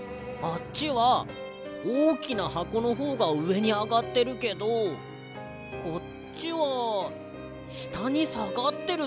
あっちはおおきなはこのほうがうえにあがってるけどこっちはしたにさがってるぞ。